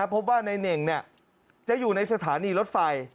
พบว่านายเน่งจะอยู่ในสถานีรถไฟ